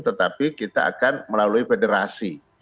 tetapi kita akan melalui federasi